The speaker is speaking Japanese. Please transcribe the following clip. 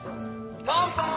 乾杯！